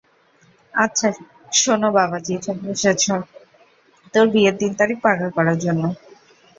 আচ্ছা শোন বাবাজি চলে এসেছে তোর বিয়ের দিন তারিখ পাকা করার জন্য।